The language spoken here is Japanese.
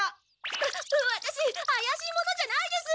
ワワタシあやしい者じゃないです。